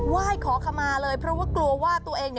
ไหว้ขอขมาเลยเพราะว่ากลัวว่าตัวเอง